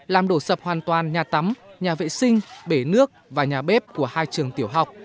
làm đổ sập hoàn toàn nhà tắm nhà vệ sinh bể nước và nhà bếp của hai trường tiểu học